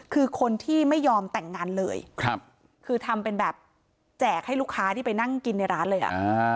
คือคนที่ไม่ยอมแต่งงานเลยครับคือทำเป็นแบบแจกให้ลูกค้าที่ไปนั่งกินในร้านเลยอ่ะ